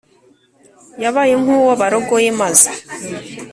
yabaye nkuwo barogoye maze